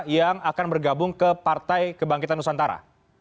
yang akan bergabung ke partai kebangkitan nusantara